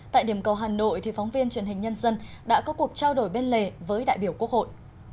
tại điểm cầu hà nội thì phóng viên truyền hình nhân dân đã có cuộc trao đổi bên lề với đại biểu quốc hội